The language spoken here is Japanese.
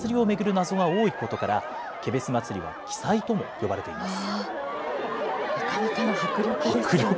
謎が多いことから、ケベス祭は奇祭とも呼ばれています。